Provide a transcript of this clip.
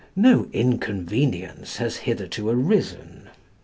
no inconvenience has hitherto arisen.